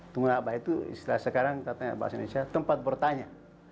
tungguna aba itu istilahnya sekarang katanya bahasa indonesia tempat bertanya